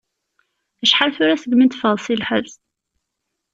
Acḥal tura segmi d-teffɣeḍ seg lḥebs?